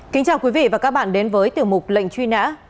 kính chào quý vị và các bạn đến với tiểu mục lệnh truy nã